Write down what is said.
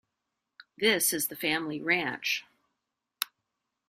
This is the family ranch.